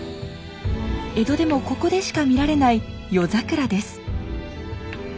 江戸でもここでしか見られない夜桜です。